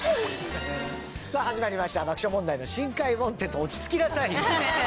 さあ始まりました『爆笑問題の深海ＷＡＮＴＥＤ』落ち着きなさいよ！